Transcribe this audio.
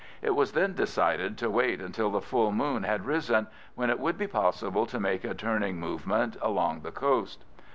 It was then decided to wait until the full moon had risen, when it would be possible to make a turning movement along the coast.